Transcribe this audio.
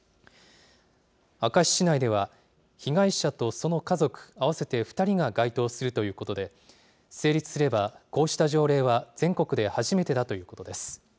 明石市内では、被害者とその家族、合わせて２人が該当するということで、成立すればこうした条例は全国で初めてだということです。